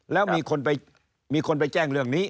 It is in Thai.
แล้วมีคนไปแจ้งเรื่องนี้